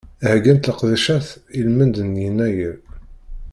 Heggant-d leqdicat i lmend n yennayer.